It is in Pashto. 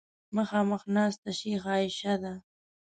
مخامخ ناسته شیخه عایشه ده.